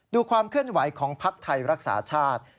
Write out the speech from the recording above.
ความเคลื่อนไหวของภักดิ์ไทยรักษาชาติ